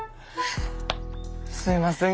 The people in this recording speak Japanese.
すいません